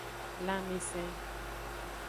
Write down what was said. Lanmesen.